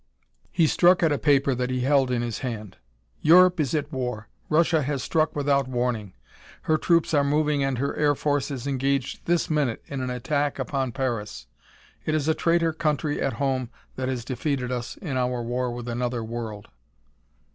He struck at a paper that he held in his hand. "Europe is at war. Russia has struck without warning; her troops are moving and her air force is engaged this minute in an attack upon Paris. It is a traitor country at home that has defeated us in our war with another world."